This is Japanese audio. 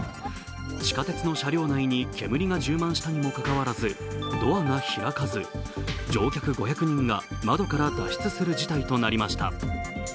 地下鉄の車両内に煙が充満したにもにかかわらずドアが開かず、乗客５００人が窓から脱出する事態となりました。